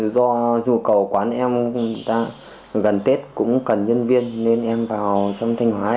do nhu cầu quán em gần tết cũng cần nhân viên nên em vào trong thanh hóa